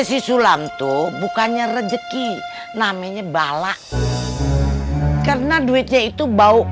sisi sulam tuh bukannya rezeki namanya bala karena duitnya itu bau